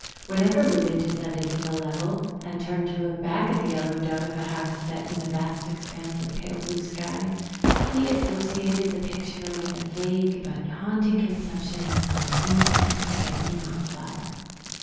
Whenever Reuben descended to the level, and turned to look back at the yellow dot of a house set in the vast expanse of pale blue sky, he associated the picture with a vague but haunting conception of some infinite forget me not flower.